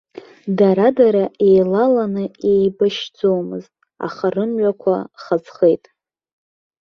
Дара-дара еилаланы еибашьӡомызт, аха рымҩақәа хазхеит.